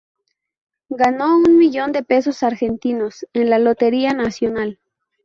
Ganó un millón de pesos argentinos en la lotería nacional.